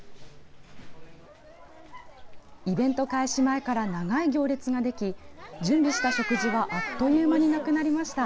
イベント開始前から長い行列ができ準備した食事はあっという間になくなりました。